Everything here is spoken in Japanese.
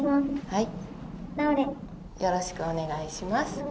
はい。